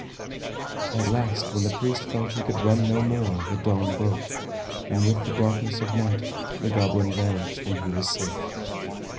At last, when the priest felt he could run no more, the dawn broke, and with the darkness of night the goblin vanished and he was safe.